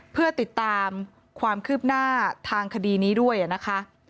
เพื่อติดตามความคืบหน้าทางคดีนี้ด้วยนะคะ